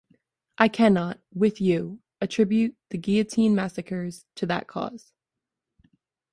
I cannot, with you, attribute the guillotine massacres to that cause.